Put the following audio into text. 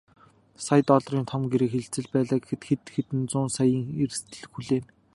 Сая долларын том гэрээ хэлцэл байлаа гэхэд хэдэн зуун саяын эрсдэл хүлээнэ.